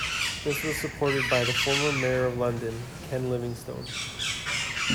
This was supported by the former Mayor of London, Ken Livingstone.